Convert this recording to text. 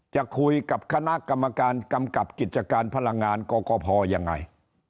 จะคุยกับคณะกรรมการกำกับกิจการพลังงานกกพยังไง